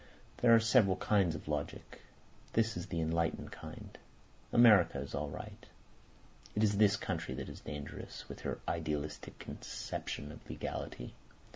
"There are several kinds of logic. This is the enlightened kind. America is all right. It is this country that is dangerous, with her idealistic conception of legality.